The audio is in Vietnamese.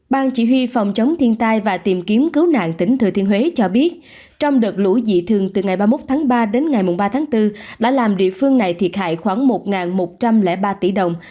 ban chỉ huy phòng chống thiên tai và tìm kiếm cứu nạn tỉnh thừa thiên huế cho biết trong đợt lũ dị thường từ ngày ba mươi một tháng ba đến ngày ba tháng bốn đã làm địa phương này thiệt hại khoảng một một trăm linh ba tỷ đồng